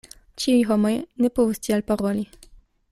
Ĉiuj homoj ne povus tiel paroli.